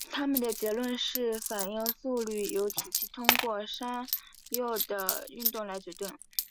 他们的结论是反应速率由体系通过山坳的运动来决定。